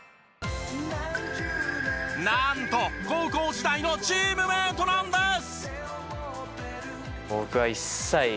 なんと高校時代のチームメートなんです。